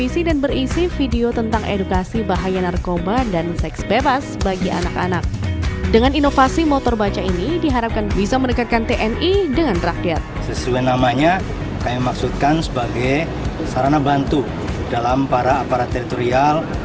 kami maksudkan sebagai sarana bantu dalam para aparat teritorial